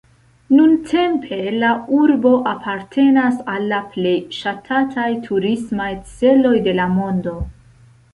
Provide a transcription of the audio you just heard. Nuntempe la urbo apartenas al la plej ŝatataj turismaj celoj de la mondo.